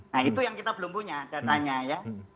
nah itu yang kita belum punya datanya ya